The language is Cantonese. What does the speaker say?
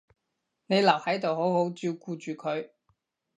你留喺度好好照顧住佢